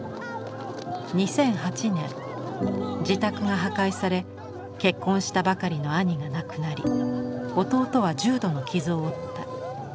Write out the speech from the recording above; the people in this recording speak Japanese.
２００８年自宅が破壊され結婚したばかりの兄が亡くなり弟は重度の傷を負った。